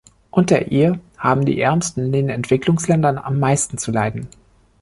Unter ihr haben die Ärmsten in den Entwicklungsländern am meisten zu leiden.